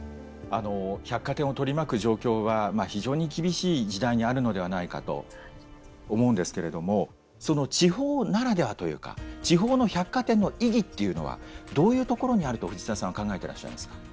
あの百貨店を取り巻く状況は非常に厳しい時代にあるのではないかと思うんですけれどもその地方ならではというか地方の百貨店の意義というのはどういうところにあると藤沢さんは考えてらっしゃいますか？